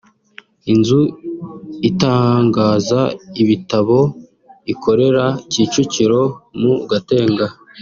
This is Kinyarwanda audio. inzu itangaza ibitabo ikorera Kicukiro mu Gatenga